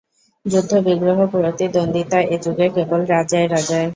যুদ্ধবিগ্রহ, প্রতিদ্বন্দ্বিতা এ যুগে কেবল রাজায় রাজায়।